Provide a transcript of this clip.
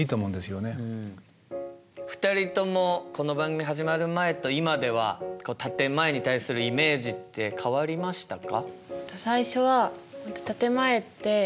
２人ともこの番組始まる前と今では建て前に対するイメージって変わりましたか？